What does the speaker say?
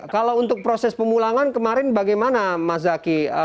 kalau untuk proses pemulangan kemarin bagaimana mas zaky